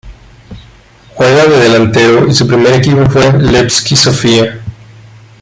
Juega de delantero y su primer equipo fue Levski Sofia.